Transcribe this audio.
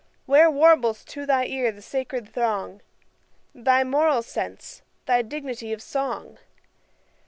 Where warbles to thy ear the sacred throng, Thy moral sense, thy dignity of song?